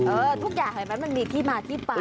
เออทุกอย่างเหมือนมันมีที่มาที่ไป